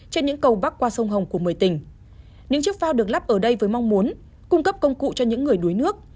trên những cầu bắc qua sông hồng của một mươi tỉnh những chiếc phao được lắp ở đây với mong muốn cung cấp công cụ cho những người đuối nước